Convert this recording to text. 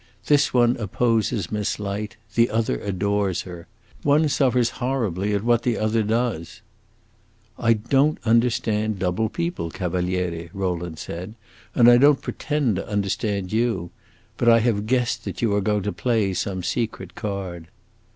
This one opposes Miss Light, the other adores her! One suffers horribly at what the other does." "I don't understand double people, Cavaliere," Rowland said, "and I don't pretend to understand you. But I have guessed that you are going to play some secret card."